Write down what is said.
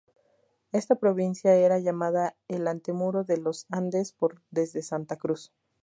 Esta provincia era llamada el ante muro de los Andes, porque desde Santa Cruz.